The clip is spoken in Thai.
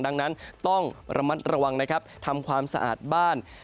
ดังนั้นต้องระมัดระวังนะครับทำความสะอาดบ้าน